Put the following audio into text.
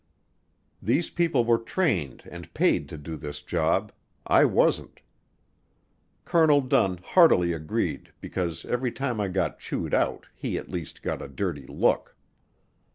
These people were trained and paid to do this job; I wasn't. Colonel Dunn heartily agreed because every time I got chewed out he at least got a dirty look.